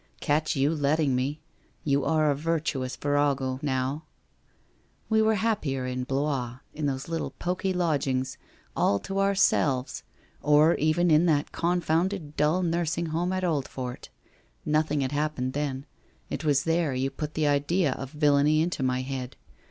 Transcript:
Catch you letting me! You are a virtuous virago, now. ... We were happier in Blois in that little poky lodging house, all to ourselves, or even in that confounded dull Nursing Home at Oldfort. Noth ing had happened, then. It was there you put the idea of villainy into my head.